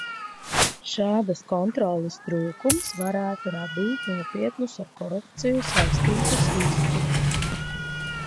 Šādas kontroles trūkums varētu radīt nopietnus, ar korupciju saistītus riskus.